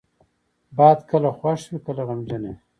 باد کله خوښ وي، کله غمجنه وي